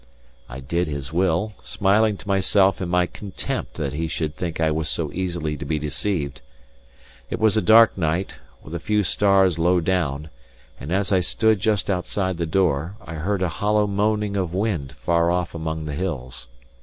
I did his will, smiling to myself in my contempt that he should think I was so easily to be deceived. It was a dark night, with a few stars low down; and as I stood just outside the door, I heard a hollow moaning of wind far off among the hills.